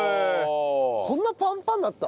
こんなパンパンだった？